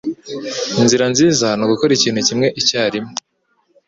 Inzira nziza ni ugukora ikintu kimwe icyarimwe.